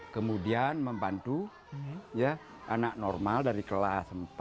kemudian membantu anak normal dari kelas empat